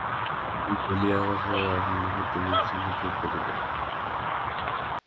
বলিয়া আকাশে আপনার ক্ষুদ্র মুষ্টি নিক্ষেপ করিল!